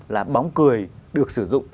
là bóng cười được sử dụng